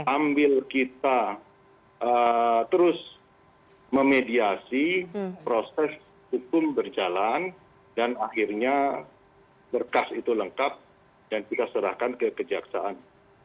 ambil kita terus memediasi proses hukum berjalan dan akhirnya berkas itu lengkap dan kita serahkan ke kejaksaan